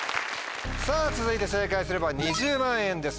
続いて正解すれば２０万円です